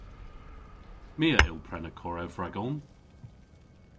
My a yll prena korev ragon.